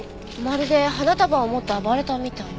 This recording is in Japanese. まるで花束を持って暴れたみたい。